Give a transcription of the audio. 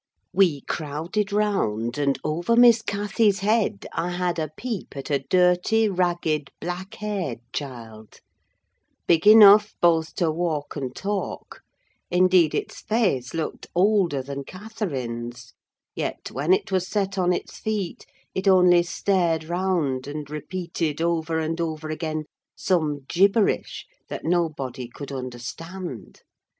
We crowded round, and over Miss Cathy's head I had a peep at a dirty, ragged, black haired child; big enough both to walk and talk: indeed, its face looked older than Catherine's; yet when it was set on its feet, it only stared round, and repeated over and over again some gibberish that nobody could understand.